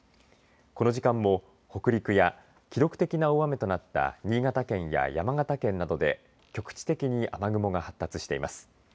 この時間も北陸や記録的な大雨となった新潟県や山形県などで局地的に雨雲が発達しています。